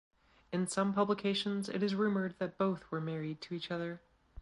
In some publications it is rumoured that both were married to each other.